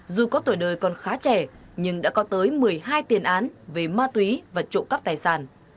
dù có tuổi đời còn khá trẻ nhưng đã có tới một mươi hai tiền án về ma túy và trộm cắp tài sản